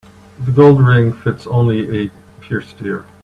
The gold ring fits only a pierced ear.